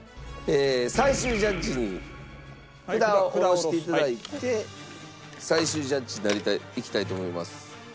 最終ジャッジに札を下ろして頂いて最終ジャッジにいきたいと思います。